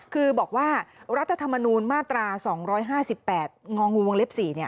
คือบอกว่ารัฐธรรมนูญมาตรา๒๕๘งองูวงเล็บ๔